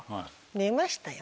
寝ましたよ。